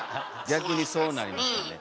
逆にそうなりますよね。